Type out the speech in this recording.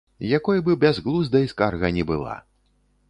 Якой бы бязглуздай скарга ні была.